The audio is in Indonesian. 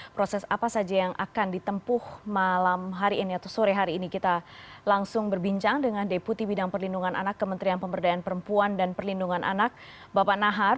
proses apa saja yang akan ditempuh malam hari ini atau sore hari ini kita langsung berbincang dengan deputi bidang perlindungan anak kementerian pemberdayaan perempuan dan perlindungan anak bapak nahar